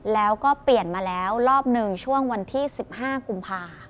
แล้วก็เปลี่ยนมาแล้วรอบหนึ่งช่วงวันที่๑๕กุมภา